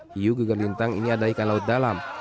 hiu gegar lintang ini adalah ikan laut dalam